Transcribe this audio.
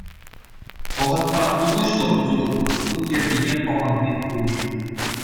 Вӑхӑтпа тухӑҫлӑ усӑ курма кун йӗркине пӑхӑнни пулӑшӗ.